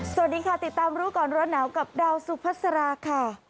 สวัสดีค่ะติดตามรู้ก่อนร้อนหนาวกับดาวสุพัสราค่ะ